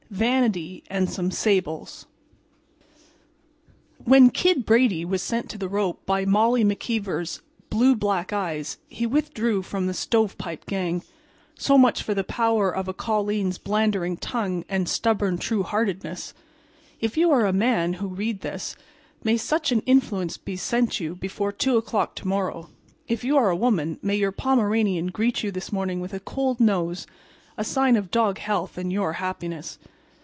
VANITY AND SOME SABLES When "Kid" Brady was sent to the ropes by Molly McKeever's blue black eyes he withdrew from the Stovepipe Gang. So much for the power of a colleen's blanderin' tongue and stubborn true heartedness. If you are a man who read this, may such an influence be sent you before 2 o'clock to morrow; if you are a woman, may your Pomeranian greet you this morning with a cold nose—a sign of doghealth and your happiness.